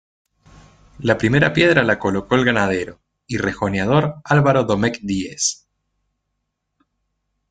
La primera piedra la colocó el ganadero y rejoneador Álvaro Domecq Díez.